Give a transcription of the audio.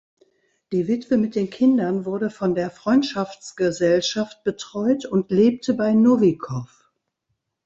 Die Witwe mit den Kindern wurde von der Freundschaftsgesellschaft betreut und lebte bei Nowikow.